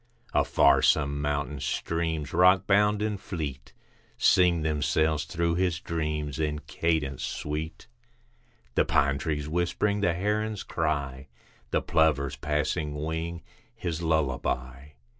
Afar some mountain streams, rockbound and fleet, Sing themselves through his dreams in cadence sweet, The pine trees whispering, the heron's cry, The plover's passing wing, his lullaby.